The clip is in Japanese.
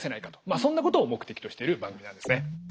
まあそんなことを目的としてる番組なんですね。